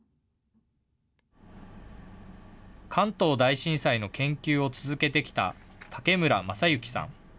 関東大震災の研究を続けてきた武村雅之さん。